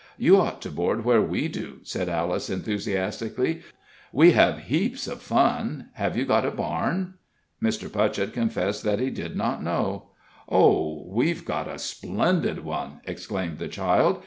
"You ought to board where we do," said Alice, enthusiastically. "We have heaps of fun. Have you got a barn?" Mr. Putchett confessed that he did not know. "Oh, we've got a splendid one!" exclaimed the child.